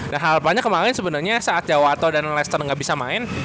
dan hal hal banyak kemaren sebenernya saat jawa atau leicester gak bisa main